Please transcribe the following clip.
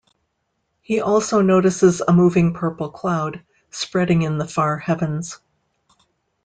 He also notices a moving purple cloud, spreading in the far heavens.